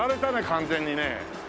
完全にね。